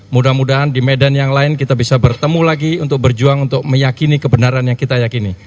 mudah mudahan di medan yang lain kita bisa bertemu lagi untuk berjuang untuk meyakini kebenaran yang kita yakini